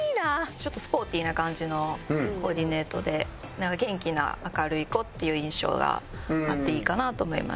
ちょっとスポーティーな感じのコーディネートで元気な明るい子っていう印象があっていいかなと思います。